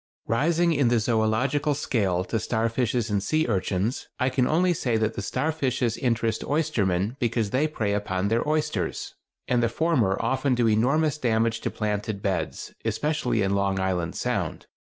Rising in the zoölogical scale to starfishes and sea urchins, I can only say that the starfishes interest oystermen because they prey upon their oysters, and the former often do enormous damage to planted beds, especially in Long Island Sound.